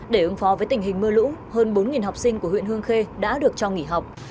để ứng phó với tình hình mưa lũ hơn bốn học sinh của huyện hương khê đã được cho nghỉ học